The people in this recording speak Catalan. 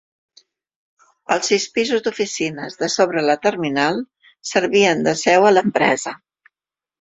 Els sis pisos d'oficines de sobre la terminal servien de seu a l'empresa.